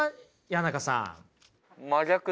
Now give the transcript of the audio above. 谷中さん。